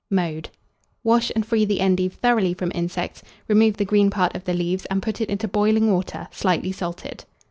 Mode. Wash and free the endive thoroughly from insects, remove the green part of the leaves, and put it into boiling water, slightly salted.